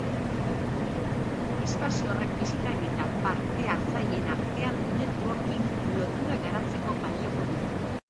Espazio horrek bisitari eta parte-hartzaileen artean networking loturak garatzeko balioko du.